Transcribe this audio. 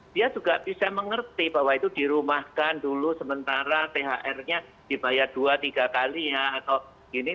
dia juga bisa mengerti bahwa itu dirumahkan dulu sementara thr nya dibayar dua tiga kali ya atau gini